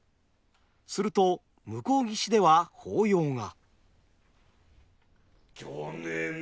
すると向こう岸では法要が。